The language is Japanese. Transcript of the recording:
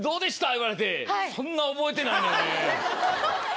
言われて、そんな覚えてないよね。